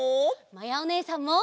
まやおねえさんも！